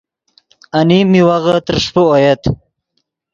انیم میوغے ترݰپے اویت